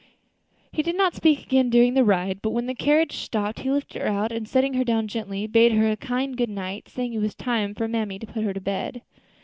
He did not speak again during their ride, but when the carriage stopped he lifted her out, and setting her gently down, bade her a kind good night, saying it was time for mammy to put her to bed.